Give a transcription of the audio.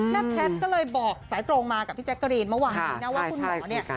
แพทย์ก็เลยบอกสายตรงมากับพี่แจ๊กกะรีนเมื่อวานนี้นะว่าคุณหมอเนี่ย